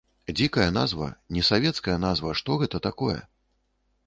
Дзікая назва, несавецкая назва, што гэта такое?